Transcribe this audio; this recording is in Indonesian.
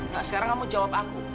nah sekarang kamu jawab aku